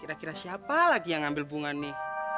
kira kira siapa lagi yang ambil bunga ini